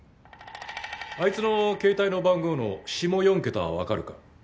あいつの携帯の番号の下４桁は分かるか？